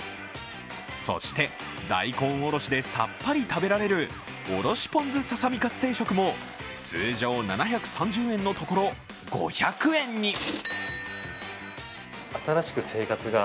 そして、大根おろしでさっぱり食べられる、おろしポン酢ささみかつ定食も通常７３０円のところ、５００円に。